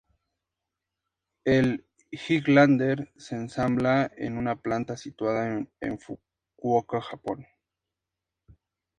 El Highlander se ensambla en una planta situada en Fukuoka, Japón.